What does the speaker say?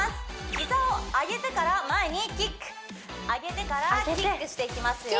膝を上げてから前にキック上げてからキックしていきますよ